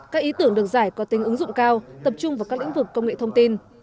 các ý tưởng được giải có tính ứng dụng cao tập trung vào các lĩnh vực công nghệ thông tin